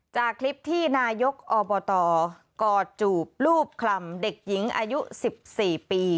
จากคลิปที่นายกอบตกอดจูบรูปคลำเด็กหญิงอายุ๑๔ปี